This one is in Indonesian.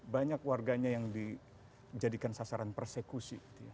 banyak warganya yang dijadikan sasaran persekusi